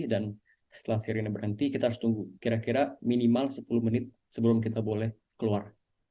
dan setelah sirine berhenti kita harus tunggu kira kira minimal sepuluh menit sebelum kita boleh keluar